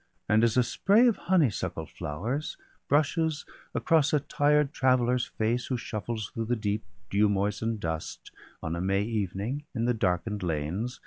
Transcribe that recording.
And as a spray of honeysuckle flowers VOL. I. L 146 BALDER DEAD. Brushes across a tired traveller's face Who shuffles through the deep dew moisten'd dust, On a May evening, in the darken'd lanes.